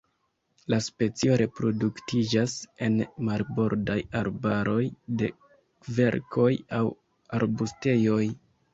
La specio reproduktiĝas en marbordaj arbaroj de kverkoj aŭ arbustejoj.